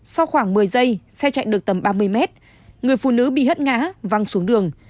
sau khoảng một mươi giây xe chạy được tầm ba mươi mét người phụ nữ bị hất ngã văng xuống đường